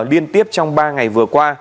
liên tiếp trong ba ngày vừa qua